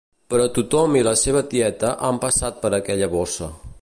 Però tothom i la seva tieta han passat per aquella bossa.